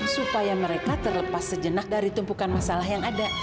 supaya mereka terlepas sejenak dari tumpukan masalah yang ada